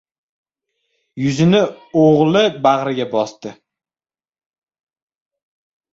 Yuzini o‘g‘li bag‘riga bosdi.